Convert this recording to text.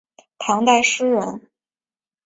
唐朝诗人。